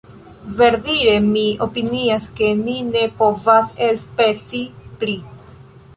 Verdire mi opinias ke ni ne povas elspezi pli.